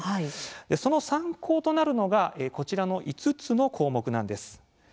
その参考となるのはこちらの５つの項目です。